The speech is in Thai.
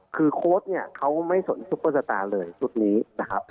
คือโค้ชเนี่ยเขาไม่สนซุปเปอร์สตาร์เลยชุดนี้นะครับ